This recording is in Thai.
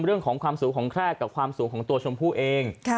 เรื่องของความสูงของแคร่กับความสูงของตัวชมพู่เอง